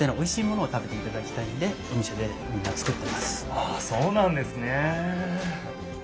あそうなんですね。